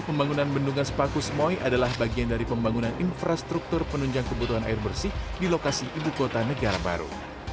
pembangunan bendungan sepaku semoy adalah bagian dari pembangunan infrastruktur penunjang kebutuhan air bersih di lokasi ibu kota negara baru